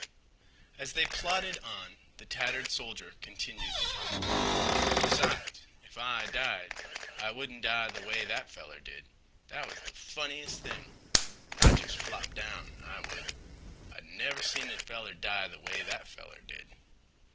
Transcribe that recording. As they plodded on the tattered soldier continued to talk. "Besides, if I died, I wouldn't die th' way that feller did. That was th' funniest thing. I'd jest flop down, I would. I never seen a feller die th' way that feller did.